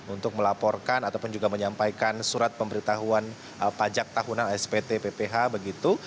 untuk melaporkan ataupun juga menyampaikan surat pemberitahuan pajak tahunan spt pph begitu